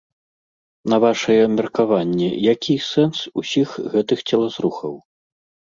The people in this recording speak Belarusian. На вашае меркаванне, які сэнс усіх гэтых целазрухаў?